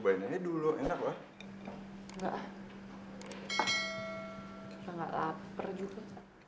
enggak aku gak lapar juga